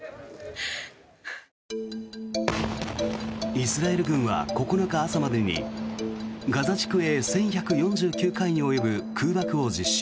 イスラエル軍は９日朝までにガザ地区へ１１４９回に及ぶ空爆を実施。